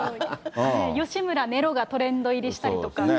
吉村、寝ろがトレンド入りしたりとか。